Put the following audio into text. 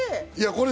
これ。